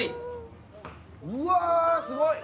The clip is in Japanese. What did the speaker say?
うわー、すごい。